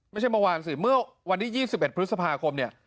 ไม่ใช่เมื่อวานนี่๒๑พฤศพาคม